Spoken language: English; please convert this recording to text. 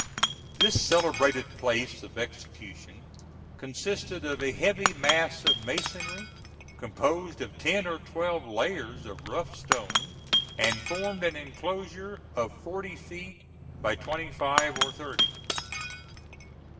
This celebrated place of execution consisted of a heavy mass of masonry, composed of ten or twelve layers of rough stones, and formed an enclosure of forty feet by twenty five or thirty.